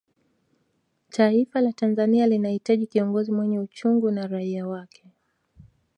taifa la tanzania linahitaji kiongozi mwenye uchungu na raia wake